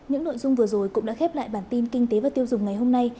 những nội dung vừa rồi cũng đã khép lại bản tin kinh tế và tiêu dùng ngày hôm nay